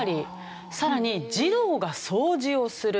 さらに児童が掃除をする。